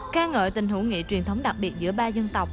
ca ngợi tình hữu nghị truyền thống đặc biệt giữa ba dân tộc